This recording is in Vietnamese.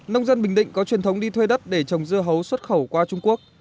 nông dân bình định có truyền thống đi thuê đất để trồng dưa hấu xuất khẩu qua trung quốc